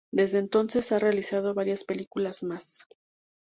Desde entonces, ha realizado varias películas más.